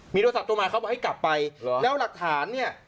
มีโทรศัพท์โทรมาเขาบอกให้กลับไปแล้วหลักฐานเนี่ย